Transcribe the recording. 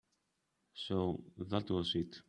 So that was it.